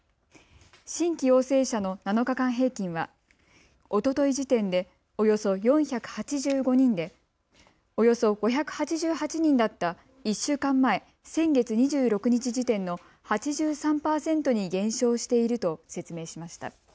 新規陽性者の７日間平均はおととい時点でおよそ４８５人でおよそ５８８人だった１週間前、先月２６日時点の８３％に減少していると説明しました。